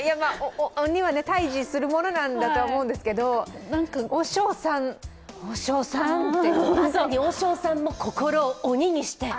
鬼は退治するものなんだとは思うんですけど、和尚さん、和尚さんまさに和尚さんも心を鬼にして。